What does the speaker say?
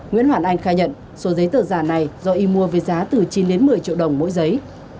nguyễn hoàn anh khai nhận số giấy tờ giả này do y mua với giá từ chín đến một mươi triệu đồng mỗi giấy